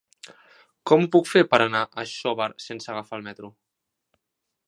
Com ho puc fer per anar a Xóvar sense agafar el metro?